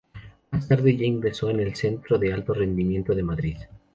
Más tarde ya ingresó en el Centro de Alto Rendimiento de Madrid.